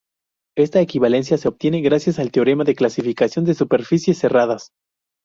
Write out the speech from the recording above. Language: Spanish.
Esta equivalencia se obtiene gracias al teorema de clasificación de superficies cerradas.